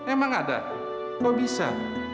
emang ada kok bisa